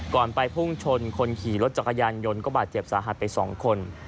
ไปพุ่งชนคนขี่รถจักรยานยนต์ก็บาดเจ็บสาหัสไป๒คน